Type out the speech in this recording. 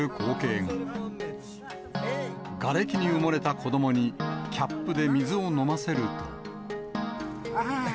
がれきに埋もれた子どもに、キャップで水を飲ませると。